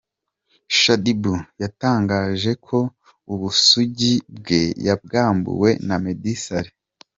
Shaddyboo yatangaje ko ubusugi bwe yabwambuwe na Meddy Saleh